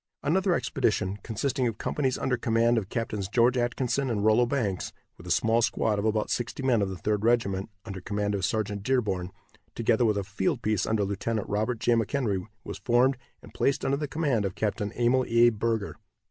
Another expedition, consisting of companies under command of Captains George Atkinson and Rollo Banks, with a small squad of about sixty men of the Third Regiment, under command of Sergeant Dearborn, together with a field piece under Lieutenant Robert J. McHenry, was formed, and placed under the command of Capt. Emil A. Burger.